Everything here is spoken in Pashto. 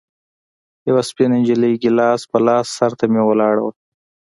يوه سپينه نجلۍ ګيلاس په لاس سر ته مې ولاړه وه.